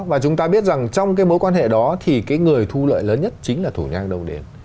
và chúng ta biết rằng trong cái mối quan hệ đó thì cái người thu lợi lớn nhất chính là thủ nhang đầu đến